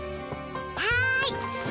はい。